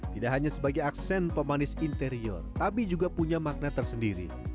tidak hanya sebagai aksen pemanis interior tapi juga punya makna tersendiri